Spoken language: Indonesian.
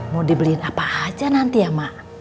mau dibeliin apa aja nanti ya mak